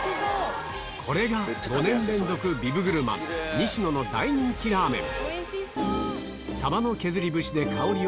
これが５年連続ビブグルマンにし乃の大人気ラーメン